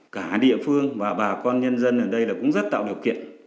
cả địa phương và bà con nhân dân ở đây là cũng rất tạo điều kiện